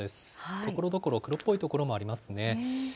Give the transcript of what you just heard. ところどころ、黒っぽい所もありますね。